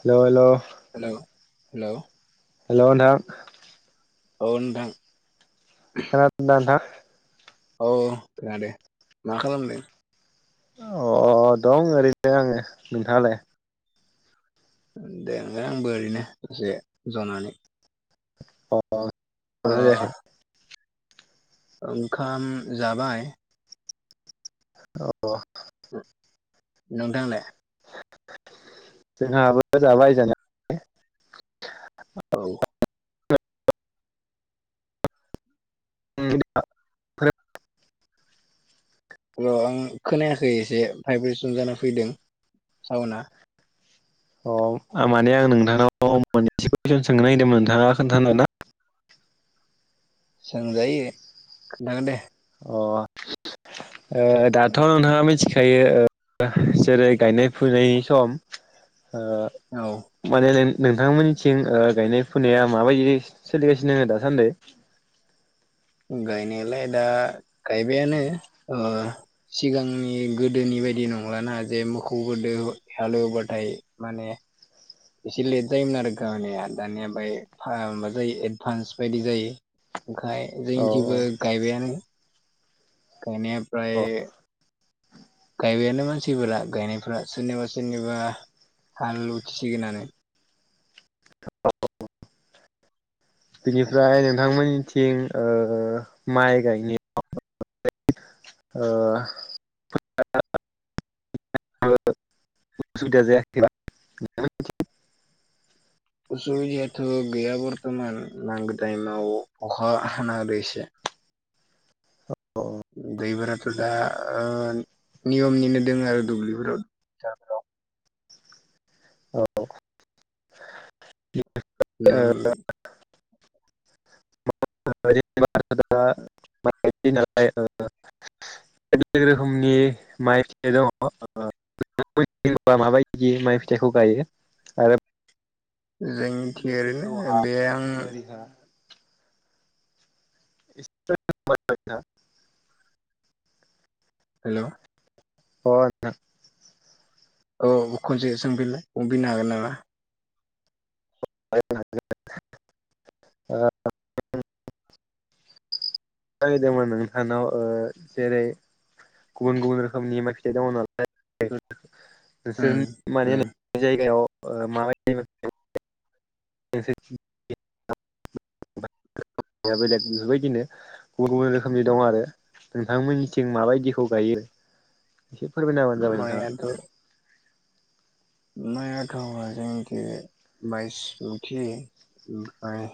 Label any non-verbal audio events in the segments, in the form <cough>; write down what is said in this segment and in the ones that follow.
Hello hello hello hello hello नोंथां औ नोंथां खोनादोंना नोंथां? औ खोनादों, मा खालामदों? अ दं ओरैनो आङो नोंथाङालाय? देलाय आंबो ओरैनो दसे जनानै अ <unintelligible> ओ जायाखै ओंखाम जाबाय। अ नोंथाङालाय? जोंहाबो जाबाय जानाया औ <inaudible> र' आं खोनायाखै एसे भाइब्रेसन जाना फैदों साउन्डआ अ माने आं नोंथांनाव मोनसे कुइसन सोंनो नागिरदोंमोन नोंथाङा खोन्थानो ना सोंजायो खोन्थागोन दे। अ ओ दाथ' नोंथाङा मिथिखायो जेरै गायनाय फुनायनि सम, औ ओ माने नोंथांमोननिथिं गायनाय फुनाया माबायदि सोलिगासिनो दङो दासान्दि? <inaudible> गायनायालाय दा गायबायानो ओ सिगांनि गोदोनि बेबायदि नंलाना, जे मोखौफोदो हालेवोबाथाय माने एसे लेट जायोमोन आरो गामानिया दानिया ओमफ्राय माबा जायो एडभान्स बायदि जायो ओंखाय औ जोंनि थेवबो गायबायानो गायनाया प्राय औ गायबायानो मानसिफोरा गायनायफोरा सोरनिबा सोरनिबा हाल उथिसिगोनानो बिनिफ्राय नोंथांमोननिथिं ओ माइ गायनायाव ओ <inaudible> <inaudible> उसुबिदा जायाखैबा <inaudible> उसुबिदायाथ' गैया बरथमान नांगौ टाइमाव अखा हाना होदो एसे अ दैफोराथ' दा ओ नियमनिनो दं आरो दुब्लिफोराव ओ नों <inaudible> बेलेग रोखोमनि माइ फिथाइ दङ ओ <inaudible> माबायदि माइ फिथाइखौ गायो आरो जोंनिथिं गोथौ ओरैनो हा बे आं बोरि हा <inaudible> हेलौ अ नोंथां औ खनसे सोंफिनलाय बुंफिननो हागोन नामा? <inaudible> <inaudible> <unintelligible> नागिरदोंमोन नोंथानाव ओ जेरै गुबुन-गुबुन रोखोमनि मा फिथाइ दङ नालाय उम नोंसोर मानि उम जायगायाव माबायदि <inaudible> <unintelligible> बेलेग बेफोरबायदिनो गुबुन गुबुन रोखोमनि दं आरो नोंथांमोननिथिं माबायदिखौ गायो एसे फोरमायना होबानो जाबाय नोंथाङा। माइ आखावा जोंखि बायसमुथि ओमफ्राय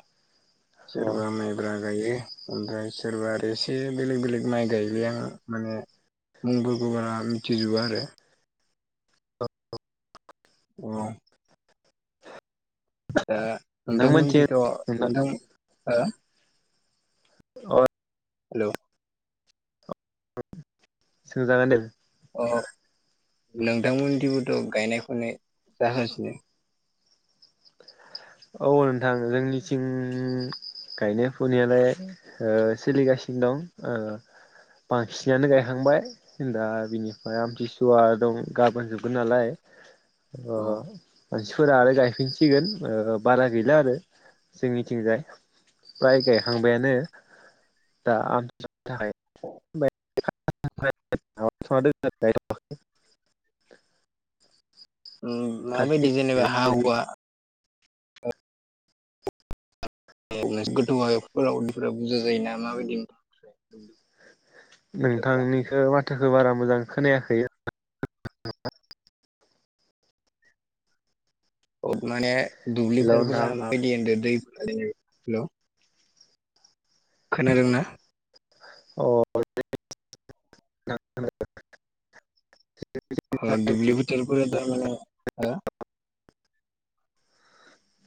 अ सोरबा माइब्रा गायो, ओमफ्राय सोरबा आरो एसे बेलेग बेलेग माइ गायो आं माने मुंफोरखौ बारा मिथिजोबा आरो औ दा नोंथांमोन नोंथांमोनथिं थिथ' नोंथां अ हेलौ सोंजागोन दे अ नोंथांमोन दिबोथ' गायनायखौ फुनाय जाहासिनो <inaudible> औ नोंथां जोंनि सिं गायनाय फुनायालाय ओ सोलिगासिनो दं ओ बांसिनानो अ गायखांबाय दा बिनिफ्राय आमथिसुवा दं गाबोन जोबगोन नालाय ओ मानसिफोरा आरो गायफिनसिगोन ओ बारा गैला आरो जोंनिथिंजाय। फ्राय गायखांबायानो दा आं थाखाय <unintelligible> ओ माबादि गायथ'नाय जेनेबा हा हुआ? गोथौफोरा <unintelligible> फोरा बुरजा जायोना माबायदि नोंथांनिखौ माथोखौ बारा मोजां खोनायाखै माने दुलिफोर नोंथां फोरा माबादि होनदों दैे- हेलौ खोनादोंना? अ <unintelligible> अ दुबलि फोथार फोराथ' दा माने हो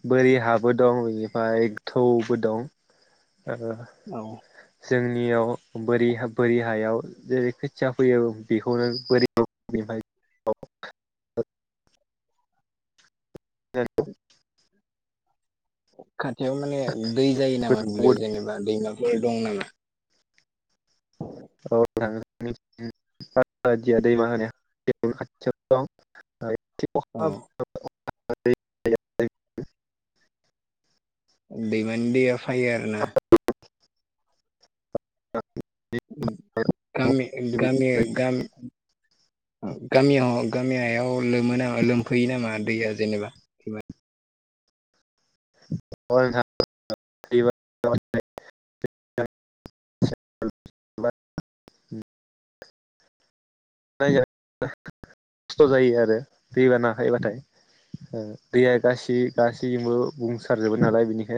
बोरि हाबो दं बेनिफ्राय गोथौबो दं ओ औ जोंनियाव बोरि बोरि हायाव जेरै खोथिया फैयो बेखौनो बोरियाव औ <unintelligible> खाथियाव माने दै जायो नामा दुब्लियाव जेनेबा दैमाफोर दं नामा? औ <unintelligible> दैमा होनो <unintelligible> अ अखा <unintelligible> दिमानि दैया फायो आरोना गामि गामि गाम गामियाव गामिहायाव लोमो नामा लोमफैयो नामा दैया जेनेबा? <unintelligible> <unintelligible> मायगायनो खस्थ' जायो आरो दैबाना हायोबाथाय दैया गासै गासैबो बुंसार जोबबो नालाय बिनिखाय